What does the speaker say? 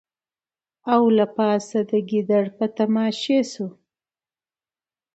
او له پاسه د ګیدړ په تماشې سو